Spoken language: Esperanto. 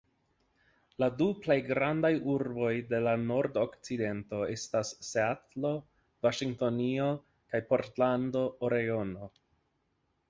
La du plej grandaj urboj de la nordokcidento estas Seatlo, Vaŝingtonio kaj Portlando, Oregono.